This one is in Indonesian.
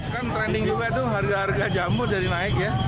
kan trending juga itu harga harga jamu jadi naik ya